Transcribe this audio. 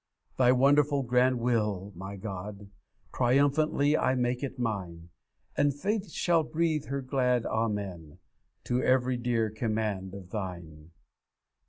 'Thy wonderful grand will, my God! Triumphantly I make it mine; And faith shall breathe her glad "Amen" To every dear command of Thine.